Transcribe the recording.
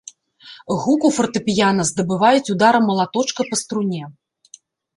Гук у фартэпіяна здабываюць ударам малаточка па струне.